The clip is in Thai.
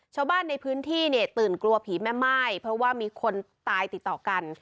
ชาวบ้านในพื้นที่เนี่ยตื่นกลัวผีแม่ม่ายเพราะว่ามีคนตายติดต่อกัน